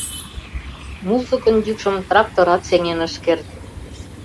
Музыкын йӱкшым тракторат сеҥен ыш керт.